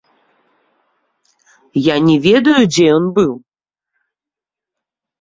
Я не ведаю, дзе ён быў.